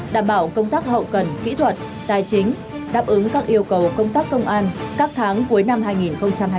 đảm bảo công tác hậu cần kỹ thuật tài chính đáp ứng các yêu cầu công tác công an các tháng cuối năm hai nghìn hai mươi bốn